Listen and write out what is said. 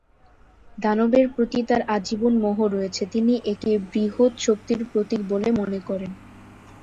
দানবের প্রতি তার আজীবন মোহ রয়েছে, তিনি একে বৃহৎ শক্তির প্রতীক বলে মনে করেন।